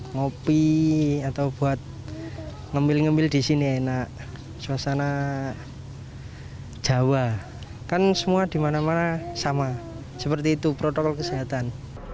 ngopi atau buat ngambil ngambil di sini enak suasana jawa kan semua dimana mana sama seperti itu protokol kesehatan